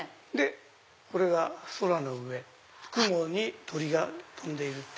これが空の上雲に鳥が飛んでいる。